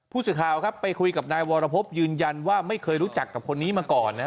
ผู้สื่อข่าวครับไปคุยกับนายวรพบยืนยันว่าไม่เคยรู้จักกับคนนี้มาก่อนนะฮะ